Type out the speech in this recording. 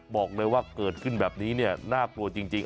บอกเลยว่าเกิดขึ้นแบบนี้เนี่ยน่ากลัวจริง